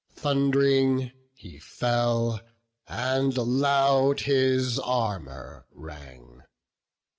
Thund'ring he fell, and loud his armour rang.